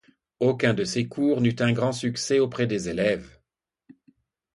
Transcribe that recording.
Aucun de ces cours n'eut un grand succès auprès des élèves.